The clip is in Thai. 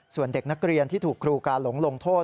ส่วนเด็กนักเรียนที่ถูกครูกาหลงลงโทษ